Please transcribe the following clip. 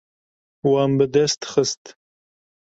Wan bi dest xist.